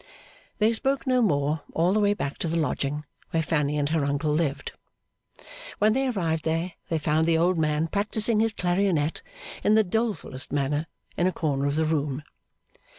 They spoke no more all the way back to the lodging where Fanny and her uncle lived. When they arrived there, they found the old man practising his clarionet in the dolefullest manner in a corner of the room.